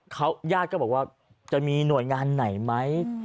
เขาญาติก็บอกว่าจะมีหน่วยงานไหนไหม